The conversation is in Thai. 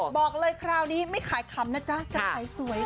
บอกเลยคราวนี้ไม่ขายขำนะจ๊ะจะขายสวย